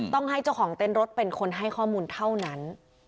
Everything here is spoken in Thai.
ต้องให้เจ้าของเต้นรถเป็นคนให้ข้อมูลเท่านั้น